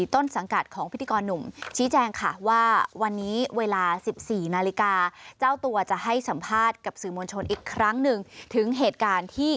ต้นสังกัดของพิธีกรหนุ่มชี้แจงค่ะว่า